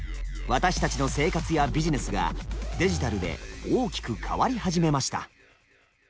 私たちの生活やビジネスがデジタルで大きく変わり始めました。